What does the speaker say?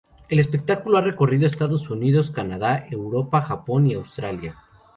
El espectáculo ha recorrido Estados Unidos, Canadá, Europa, Japón y Australia.